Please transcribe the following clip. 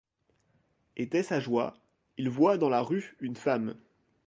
Était sa joie ; il voit dans la rue une femme